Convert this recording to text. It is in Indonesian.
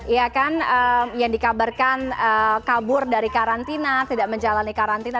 ya kan yang dikabarkan kabur dari karantina tidak menjalani karantina